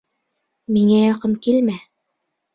— Миңә яҡын килмә!